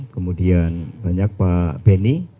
kemudian banyak pak benny